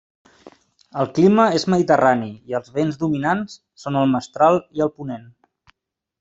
El clima és mediterrani, i els vents dominants són el mestral i el ponent.